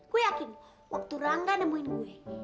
gue yakin waktu rangga nemuin gue